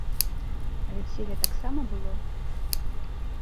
А вяселле таксама было?